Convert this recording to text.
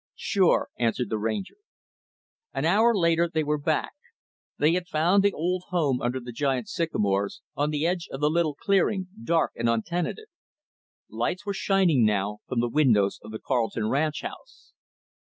"Sure," answered the Ranger. An hour later, they were back. They had found the old home under the giant sycamores, on the edge of the little clearing, dark and untenanted. Lights were shining, now, from the windows of the Carleton ranch house.